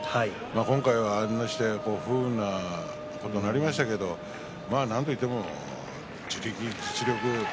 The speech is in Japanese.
今回は不運なことになりましたけどなんといっても地力、実力。